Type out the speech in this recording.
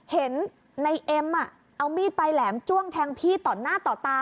เห็นในเอ็มเอามีดปลายแหลมจ้วงแทงพี่ต่อหน้าต่อตา